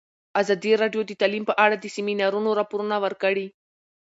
ازادي راډیو د تعلیم په اړه د سیمینارونو راپورونه ورکړي.